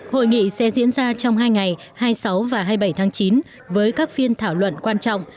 hội nghị sẽ diễn ra trong hai ngày hai mươi sáu và hai mươi bảy tháng chín với các phiên thảo luận quan trọng